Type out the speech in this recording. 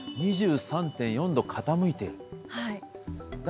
２３．４度傾いてる。